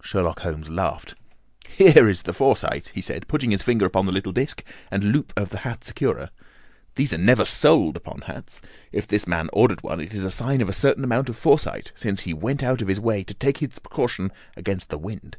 Sherlock Holmes laughed. "Here is the foresight," said he putting his finger upon the little disc and loop of the hat securer. "They are never sold upon hats. If this man ordered one, it is a sign of a certain amount of foresight, since he went out of his way to take this precaution against the wind.